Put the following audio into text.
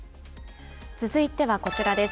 続いてはこちらです。